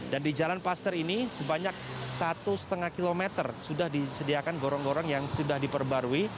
dan di jalan paster ini sebanyak satu lima km sudah disediakan gorong gorong yang sudah diperbarui